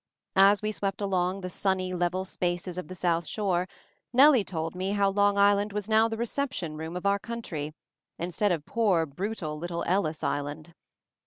As we swept along the sunny, level spaces of the South shore, Nellie told me how Long Island was now the "Reception Room" of our country, instead of poor, brutal little Ellis Island.